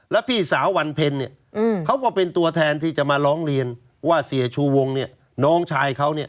แล้วพี่สาววันเพลนเขาก็เป็นตัวแทนที่จะมาร้องเรียนว่าเสียชูวงน้องชายเขา